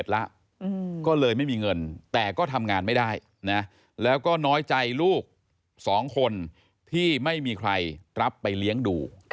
๗๑ละก็เลยไม่มีเงินแต่ก็ทำงานไม่ได้นะแล้วก็น้อยใจลูก๒คนที่ไม่มีใครรับไปเลี้ยงดู